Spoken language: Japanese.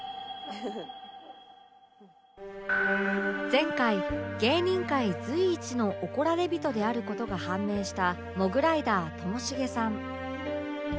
前回芸人界随一の怒られびとである事が判明したモグライダーともしげさん